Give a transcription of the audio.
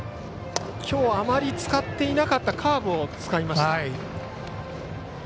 きょうあまり使っていなかったカーブを使いました。